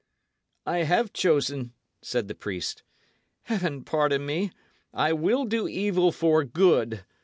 "I have chosen," said the priest. "Heaven pardon me, I will do evil for good.